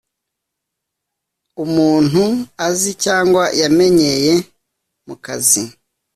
umuntu azi cyangwa yamenyeye mukazi